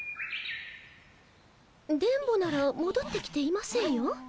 電ボならもどってきていませんよ。